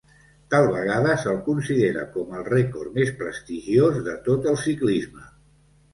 Tal vegada, se'l considera com el rècord més prestigiós de tot el ciclisme.